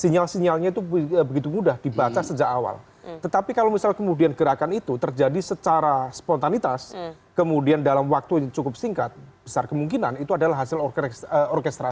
sinyal sinyalnya itu begitu mudah dibaca sejak awal tetapi kalau misal kemudian gerakan itu terjadi secara spontanitas kemudian dalam waktu yang cukup singkat besar kemungkinan itu adalah hasil orkestrasi